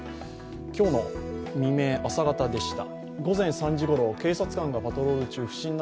今日の未明、朝方でした。